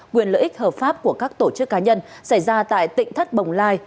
quyền lợi ích hợp pháp của các tổ chức cá nhân xảy ra tại tỉnh thất bồng lai